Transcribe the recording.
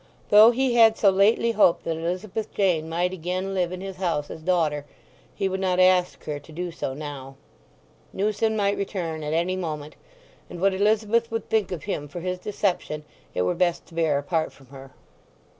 Though he had so lately hoped that Elizabeth Jane might again live in his house as daughter, he would not ask her to do so now. Newson might return at any moment, and what Elizabeth would think of him for his deception it were best to bear apart from her.